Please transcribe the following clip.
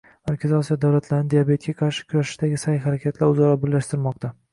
Markaziy Osiyo davlatlarini diabetga qarshi kurashishdagi sa’y-harakatlar o‘zaro birlashtirmoqda